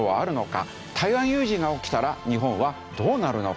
台湾有事が起きたら日本はどうなるのか？